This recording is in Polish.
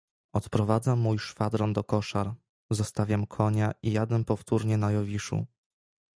"Odprowadzam mój szwadron do koszar, zostawiam konia i jadę powtórnie na Jowiszu."